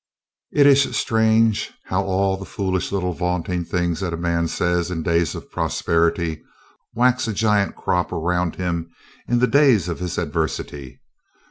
It is strange how all the foolish little vaunting things that a man says in days of prosperity wax a giant crop around him in the days of his adversity.